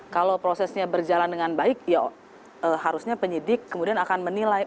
kalau prosesnya berjalan dengan baik ya harusnya penyidik kemudian akan menilai